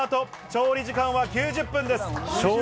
調理時間は９０分です。